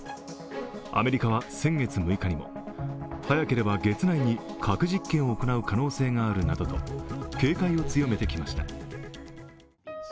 アメリカは先月６日にも早ければ月内に核実験を行う可能性があるなどと警戒を強めてきました。